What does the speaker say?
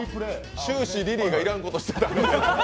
終始リリーが要らんことしてたんで。